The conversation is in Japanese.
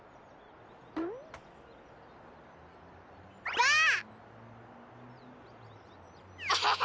ばあっ！